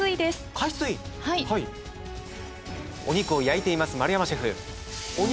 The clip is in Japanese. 海水お肉を焼いています丸山シェフお肉